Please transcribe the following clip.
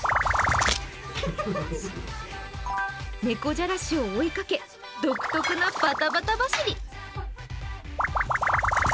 猫じゃらしを追いかけ独特なバタバタ走り。